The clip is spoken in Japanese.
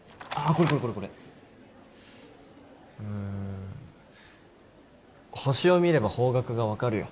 これこれこれこれうん星を見れば方角が分かるよ